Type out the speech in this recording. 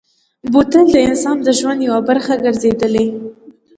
بوتل د انسان د ژوند یوه برخه ګرځېدلې.